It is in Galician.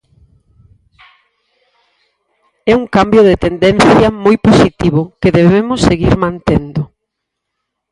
É un cambio de tendencia moi positivo que debemos seguir mantendo.